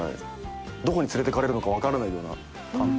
どこに連れてかれるのか分からないような短編。